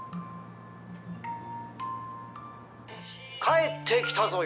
「帰ってきたぞよ！